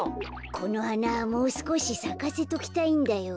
このはなもうすこしさかせときたいんだよ。